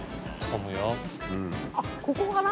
あっここかな？